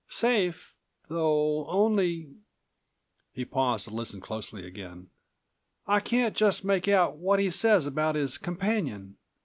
Safe, though, only—" he paused to listen closely again—"I can't just make out what he says about his companion."